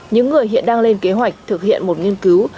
những người hiện đang lên kế hoạch thực hiện một nghiên cứu